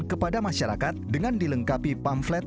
kepada masyarakat dengan dilengkapi pamflet